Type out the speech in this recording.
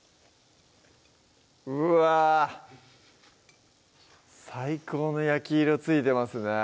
うわぁ最高の焼き色ついてますね